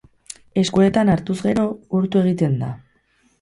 Eskuetan hartuz gero, urtu egiten da.